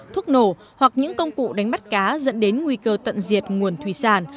thuốc nổ hoặc những công cụ đánh bắt cá dẫn đến nguy cơ tận diệt nguồn thủy sản